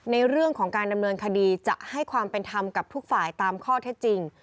ในเรื่องของการดำเนินคดีจะให้ความเป็นธรรมกับทุกฝ่ายตามข้อเท็จจริง